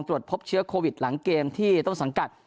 ตรวจพบเชื้อโควิดหลังเกมที่ต้นสังกัด